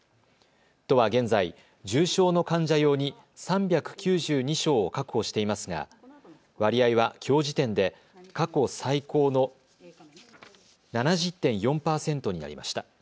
都は現在、重症の患者用に３９２床を確保していますが割合はきょう時点で過去最高の７０．４％になりました。